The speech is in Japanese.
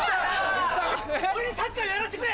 俺にサッカーやらせてくれ！